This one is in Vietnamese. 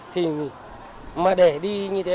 thì mà để đi như thế